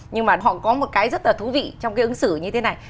nhưng mà họ có một cái rất là thú vị trong cái ứng xử như thế này